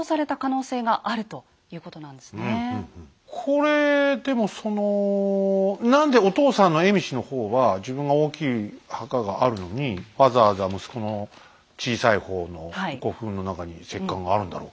これでもそのなんでお父さんの蝦夷の方は自分が大きい墓があるのにわざわざ息子の小さい方の古墳の中に石棺があるんだろうか。